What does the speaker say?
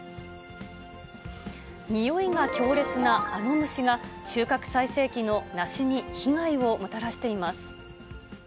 臭いが強烈なあの虫が、収穫最盛期の梨に被害をもたらしています。